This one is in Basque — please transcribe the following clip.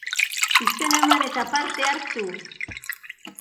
Izena eman eta parte hartu!